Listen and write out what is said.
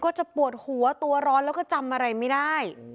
จะปวดหัวตัวร้อนแล้วก็จำอะไรไม่ได้